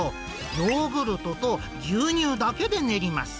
ヨーグルトと牛乳だけで練ります。